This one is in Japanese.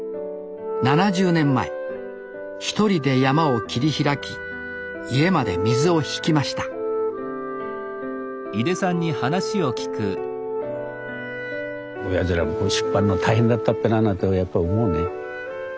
７０年前１人で山を切り開き家まで水を引きました親父らもここ引っ張んの大変だったっぺななんてやっぱ思うね。